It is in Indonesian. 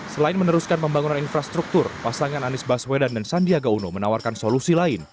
selain meneruskan pembangunan infrastruktur pasangan anies baswedan dan sandiaga uno menawarkan solusi lain